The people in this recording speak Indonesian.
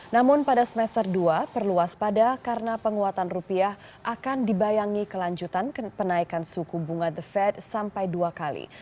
namun pada semester dua perlu waspada karena penguatan rupiah akan dibayangi kelanjutan penaikan suku bunga the fed sampai dua kali